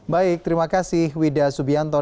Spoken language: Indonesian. baik terima kasih wida subianto